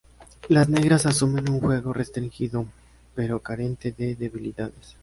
Las negras asumen un juego restringido, pero carente de debilidades.